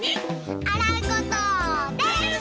あらうこと。です！